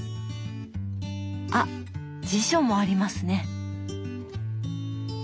あっ辞書もありますね。